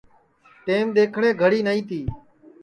ٹیم دؔیکھٹؔے گھڑی نائی تی